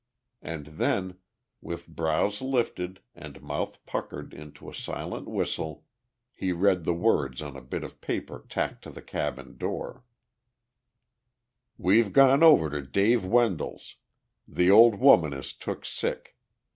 And then, with brows lifted and mouth puckered into a silent whistle, he read the words on a bit of paper tacked to the cabin door: "We've gone over to Dave Wendells. The old woman is took sick.